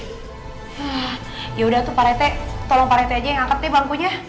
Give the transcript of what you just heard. hah ya udah tuh parete tolong parete aja yang angkat deh bangkunya